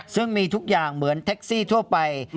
ซึ่งมีทุกอย่างเหมือนแท็กซี่ทั่วไป